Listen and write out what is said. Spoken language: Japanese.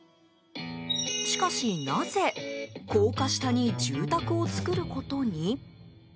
しかし、なぜ高架下に住宅を作ることに？